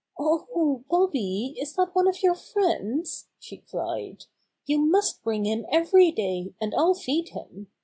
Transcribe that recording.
*^Oh, Bobby, is that one of your friends?" she cried. "You must bring him every day, and I'll feed him.